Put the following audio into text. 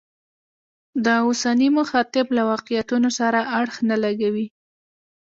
د اوسني مخاطب له واقعیتونو سره اړخ نه لګوي.